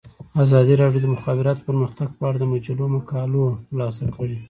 ازادي راډیو د د مخابراتو پرمختګ په اړه د مجلو مقالو خلاصه کړې.